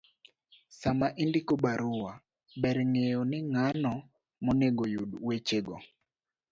Sama indiko barua , ber ng'eyo ni ng'ano monego oyud wechego,